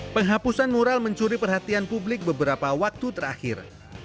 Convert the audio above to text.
penghapusan mural mencuri perhatian publik beberapa waktu terakhir